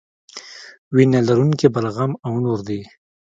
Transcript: وینه لرونکي بلغم او نور دي.